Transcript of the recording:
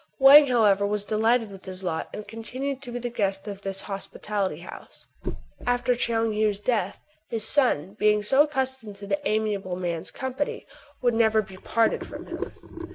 Wang, however, was delighted with his lot, and continued to be the guest of this hospitable house. After Tchoung Heou's death, his son, being so accustomed to the amiable man's company, would never be parted from him.